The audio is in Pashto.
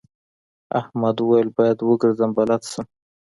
احمد وويل: باید وګرځم بلد شم.